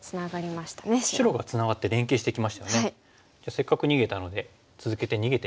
せっかく逃げたので続けて逃げてみましょう。